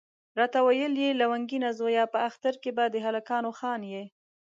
راته ویل یې لونګینه زویه په اختر کې به د هلکانو خان یې.